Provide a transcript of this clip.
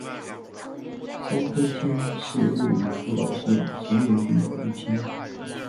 三春町是位于福岛县田村郡的一町。